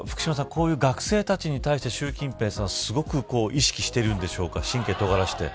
こういう学生たちに対して習近平さん、すごく神経をとがらしているんでしょうか。